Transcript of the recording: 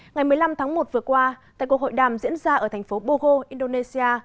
ngày một mươi năm tháng một vừa qua tại cuộc hội đàm diễn ra ở thành phố bogo indonesia